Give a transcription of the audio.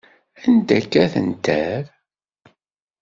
Anda akka ara tent err?